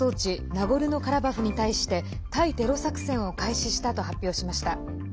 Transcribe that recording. ナゴルノカラバフに対して対テロ作戦を開始したと発表しました。